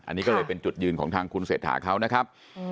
อันนี้ก็เลยเป็นจุดยืนของทางคุณเศรษฐาเขานะครับ